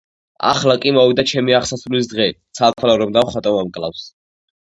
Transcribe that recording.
ახლა კი მოვიდა ჩემი აღსასრულის დღე, ცალთვალა რომ დავხატო, მომკლავს,